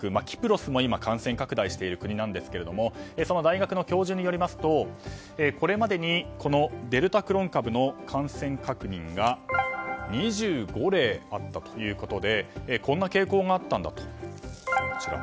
キプロスも今感染拡大している国なんですがその大学の教授によりますとこれまでにデルタクロン株の感染確認が２５例あったということでこんな傾向があったんだと。